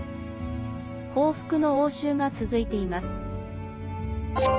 報復の応酬が続いています。